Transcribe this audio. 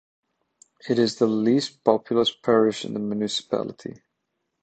It is the least populous parish in the municipality.